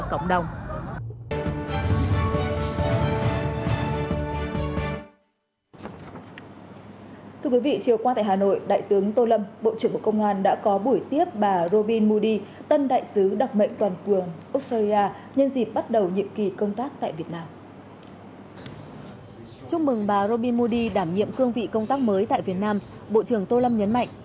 chúc mừng bà robin moody đảm nhiệm cương vị công tác mới tại việt nam bộ trưởng tô lâm nhấn mạnh